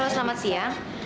halo selamat siang